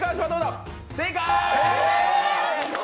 正解！